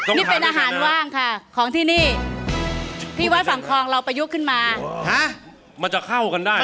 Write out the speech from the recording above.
เนี้ยเป็นอาหารว่างค่ะของที่นี่พี่วัดฝั่งคองเราประยุขึ้นมา